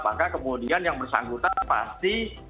maka kemudian yang bersangkutan pasti